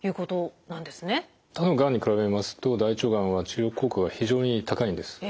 他のがんに比べますと大腸がんは治療効果が非常に高いんです。